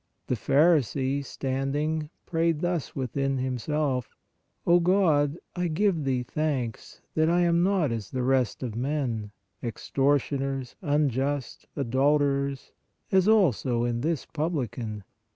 The pharisee, standing, prayed thus within himself: O God, I give Thee thanks that I am not as the rest of men, ex tortioners, unjust, adulterers, as also is this publi can.